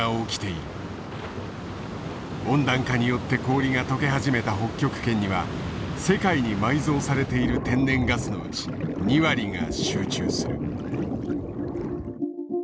温暖化によって氷が解け始めた北極圏には世界に埋蔵されている天然ガスのうち２割が集中する。